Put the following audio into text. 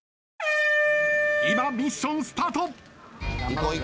今ミッションスタート。